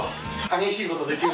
「激しいことできる」？